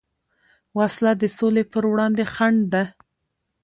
وسله د سولې پروړاندې خنډ ده